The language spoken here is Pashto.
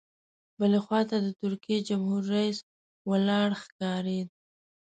بلې خوا ته د ترکیې جمهور رئیس ولاړ ښکارېد.